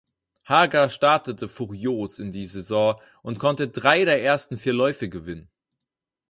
Haga startete furios in die Saison und konnte drei der ersten vier Läufe gewinnen.